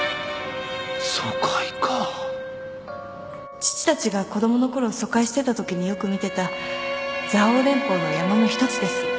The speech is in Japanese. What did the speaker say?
父たちが子供のころ疎開してたときによく見てた蔵王連峰の山の１つです